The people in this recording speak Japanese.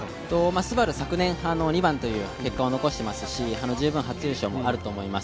ＳＵＢＡＲＵ、昨年２番という結果を残してますし、十分初優勝もあると思います。